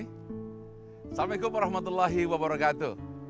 assalamualaikum warahmatullahi wabarakatuh